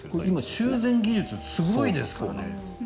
今、修繕技術がすごいですからね。